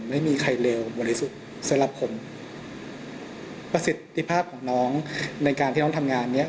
ไม่มีใครเลวบริสุทธิ์สำหรับผมประสิทธิภาพของน้องในการที่น้องทำงานเนี้ย